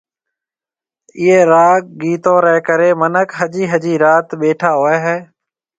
ايئي راگ گيتون ري ڪري منک ۿجي ۿجي رات ٻيٺا هوئي هي